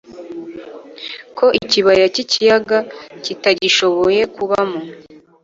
ko ikibaya cy'ikiyaga kitagishoboye kubamo